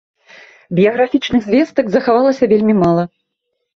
Біяграфічных звестак захавалася вельмі мала.